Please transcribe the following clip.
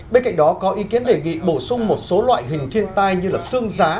bên cạnh đó có ý kiến đề nghị bổ sung một số loại hình thiên tai như xương giá